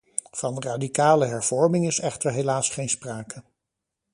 Van radicale hervorming is echter helaas geen sprake.